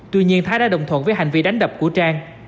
tuy nhiên thái đã đồng thuận với hành vi đánh đập của trang